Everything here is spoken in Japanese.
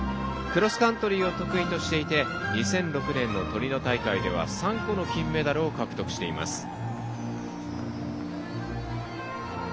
クロスカントリーを得意としていて２００６年のトリノ大会では３個の金メダルを獲得しています。